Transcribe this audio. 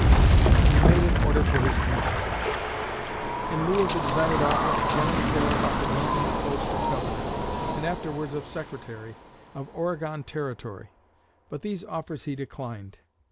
And he made an order for his commission. In lieu of the desired office, General Taylor offered Lincoln the post of Governor, and afterwards of Secretary, of Oregon Territory; but these offers he declined.